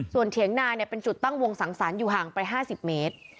ส่วนเถียงนาเป็นจุดตั้งวงสังสรรค์อยู่ห่างไป๕๐เมตร